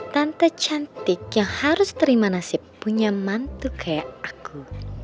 tante cantik yang harus terima nasib punya mantu kayak aku